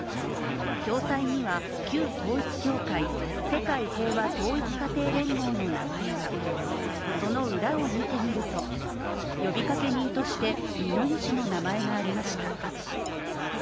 共催には旧統一教会、世界平和統一家庭連合の名前がその裏を見てみると、呼びかけ人として、二之湯氏の名前がありました。